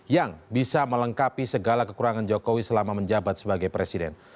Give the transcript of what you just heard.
yang bisa melengkapi segala kekurangan jokowi selama menjabat sebagai presiden